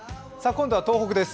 今度は東北です